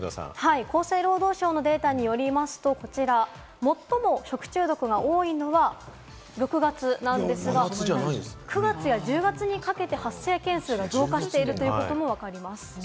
厚生労働省のデータによりますと最も食中毒が多いのが６月なんですが、９月や１０月にかけて発生件数が増加しているということもわかります。